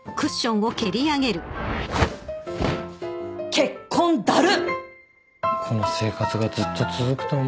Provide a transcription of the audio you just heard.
結婚だるっ！